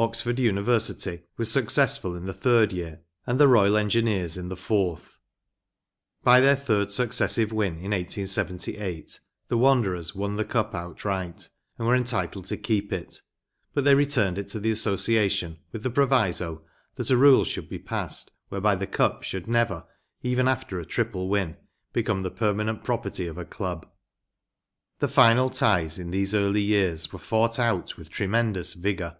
Oxford University was successful in the third year and the Royal Engineers in the fourth. By their third successive win in 1878 the Wanderers won the Cup outright and were entitled to keep it, but they returned it to the Association with the proviso that a rule should be passed whereby the Cup should never, even after a triple win, become the. permanent property of a club. The final ties in these early years were fought out with tremendous vigour.